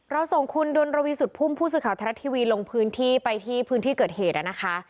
เราส่งคุณดนตรวีสุทธิ์ภูมิผู้สื่อข่าวธรรมชาติทวีลงพื้นที่ไปที่พื้นที่เกิดเหตุนะคะ